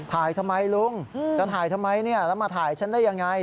ทำไมลุงจะถ่ายทำไมแล้วมาถ่ายฉันได้ยังไง